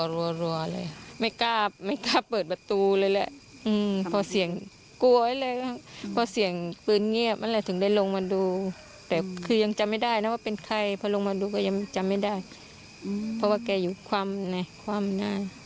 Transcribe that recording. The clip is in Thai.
ความนอนไว้ใกล้กัน